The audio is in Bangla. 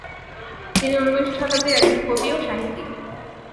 তিনি ঊনবিংশ শতাব্দীর একজন কবি ও সাহিত্যিক।